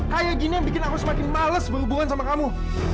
kayak gini yang bikin aku semakin males berhubungan sama kamu